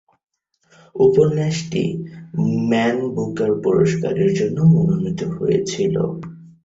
উপন্যাসটি "Man Booker পুরস্কার" এর জন্য মনোনীত হয়েছিল।